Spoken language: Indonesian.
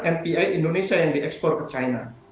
npi indonesia yang diekspor ke china